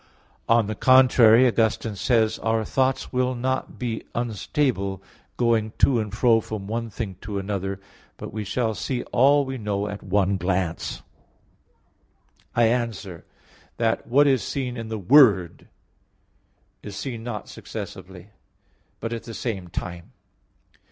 On the contrary, Augustine says (De Trin. xvi): "Our thoughts will not be unstable, going to and fro from one thing to another; but we shall see all we know at one glance." I answer that, What is seen in the Word is seen not successively, but at the same time.